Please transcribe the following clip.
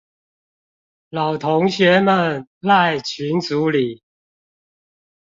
老同學們賴群組裡